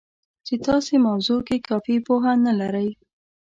چې تاسې موضوع کې کافي پوهه نه لرئ